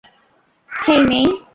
হেই, মেই।